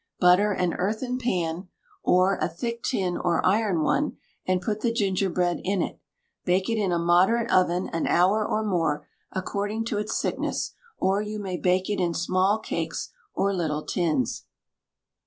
Butter an earthen pan, or a thick tin or iron one, and put the gingerbread in it. Bake it in a moderate oven an hour or more, according to its thickness, or you may bake it in small cakes or little tins.